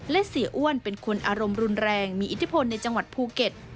และเสียอ้วนเป็นคนอารมณ์รุนแรงมีอิทธิพลในจังหวัดภูเก็ต